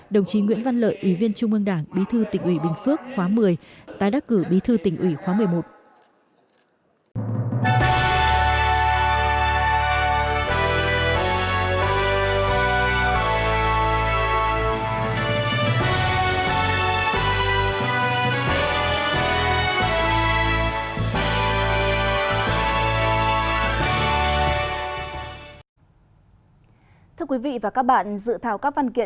đồng chí nguyễn văn lợi ủy viên trung ương đảng bí thư tỉnh ủy bình phước khóa một mươi tái đắc cử bí thư tỉnh ủy khóa một mươi một